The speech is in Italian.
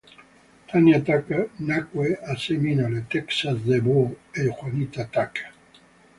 Tanya Tucker nacque a Seminole, Texas da Beau e Juanita Tucker.